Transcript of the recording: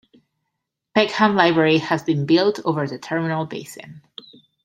Peckham library has been built over the terminal basin.